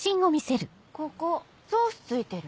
ここソース付いてる。